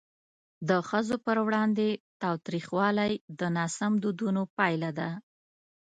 د ښځو پر وړاندې تاوتریخوالی د ناسم دودونو پایله ده.